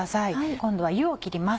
今度は湯を切ります。